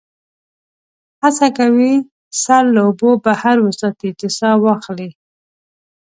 هڅه کوي سر له اوبو بهر وساتي چې سا واخلي.